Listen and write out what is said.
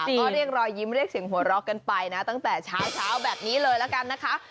ก็เรียกรอยยิ้มเรียกเสียงหัวเราะกันไปนะตั้งแต่เช้าแบบนี้เลยละกันนะคะ